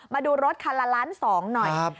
มาดูรถคันละล้าน๒หน่อย